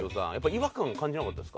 違和感は感じなかったですか？